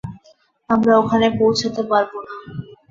আমরা ওখানে পৌঁছাতে পারবো না।